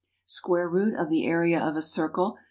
Square root of the area of a circle ×